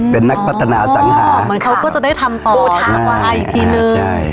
เป็นนักพัฒนาสังหามันเขาก็จะได้ทำต่ออีกทีนึงใช่